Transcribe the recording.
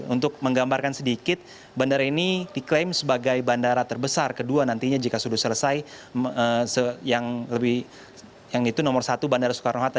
untuk menggambarkan sedikit bandara ini diklaim sebagai bandara terbesar kedua nantinya jika sudah selesai yang lebih yang itu nomor satu bandara soekarno hatta